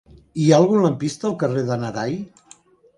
Hi ha algun lampista al carrer de n'Arai?